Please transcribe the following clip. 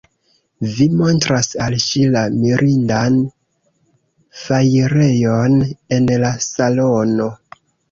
Vi montras al ŝi la mirindan fajrejon en la salono.